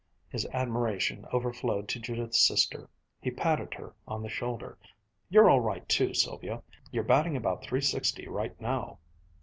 His admiration overflowed to Judith's sister. He patted her on the shoulder. "You're all right too, Sylvia. You're batting about three sixty, right now.